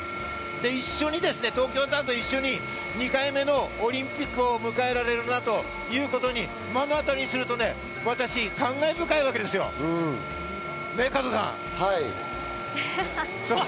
一緒に東京タワーと一緒に２回目のオリンピックを迎えられるなということを目の当たりにすると私、感慨深いわけですよ、加藤さん。